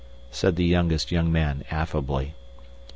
said the youngest young man affably.